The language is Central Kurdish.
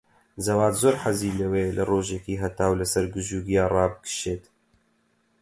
جەواد زۆر حەزی لەوەیە لە ڕۆژێکی هەتاو لەسەر گژوگیا ڕابکشێت.